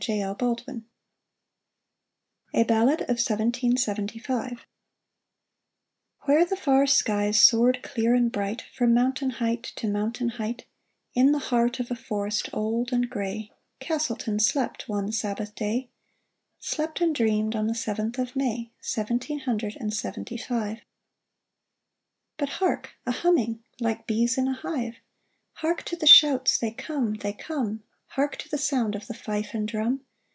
THE ARMORER'S ERRAND A BALLAD OF 1 775 Where the far skies soared clear and bright From mountain height to mountain height, In the heart of a forest old and gray, Castleton slept one Sabbath day Slept and dreamed, on the seventh of May, Seventeen hundred and seventy five. But hark ! a humming, like bees in a hive ; Hark to the shouts —" They come ! they come !" Hark to the sound of the fife and drum